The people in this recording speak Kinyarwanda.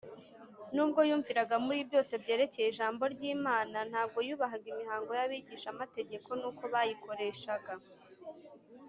Nubwo yumviraga muri byose byerekeye Ijambo ry’Imana, ntabwo yubahaga imihango y’abigishamategeko n’uko bayikoreshaga.